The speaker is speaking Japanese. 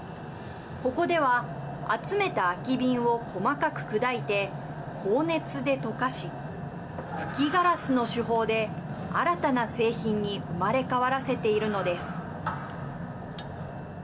ここでは、集めた空き瓶を細かく砕いて、高熱で溶かし吹きガラスの手法で新たな製品に生まれ変わらせているのです。